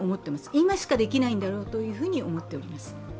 今しかできないんだろうと思っております。